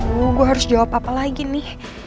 oh gue harus jawab apa lagi nih